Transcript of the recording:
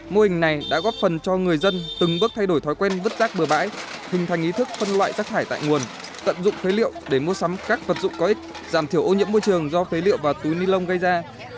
mô hình này đã góp phần cho người dân từng bước thay đổi thói quen vứt rác bừa bãi hình thành ý thức phân loại rác thải tại nguồn tận dụng phế liệu để mua sắm các vật dụng có ích giảm thiểu ô nhiễm môi trường do phế liệu và túi ni lông gây ra